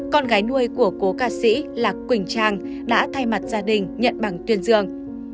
con gái nuôi của cố ca sĩ lạc quỳnh trang đã thay mặt gia đình nhận bằng tuyên dương